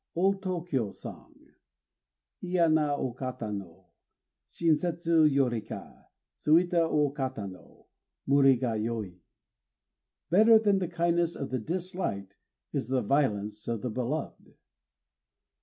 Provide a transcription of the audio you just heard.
OLD TÔKYÔ SONG Iya na o kata no Shinsetsu yori ka Suita o kata no Muri ga yoi. Better than the kindness of the disliked is the violence of the beloved.